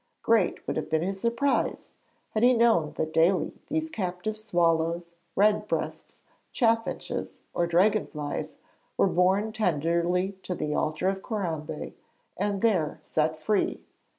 Great would have been his surprise had he known that daily these captive swallows, redbreasts, chaffinches, or dragon flies were borne tenderly to the altar of Corambé, and there set free.